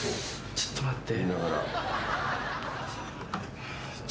ちょっと待って。